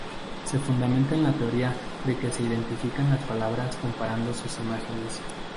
Se fundamenta en la teoría de que se identifican las palabras comparando sus imágenes.